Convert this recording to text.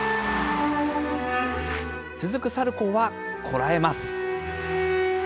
続くサルコーはこらえます。